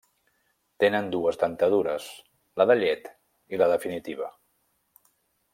Tenen dues dentadures: la de llet i la definitiva.